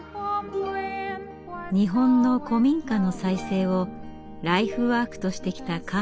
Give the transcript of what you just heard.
日本の古民家の再生をライフワークとしてきたカールさん。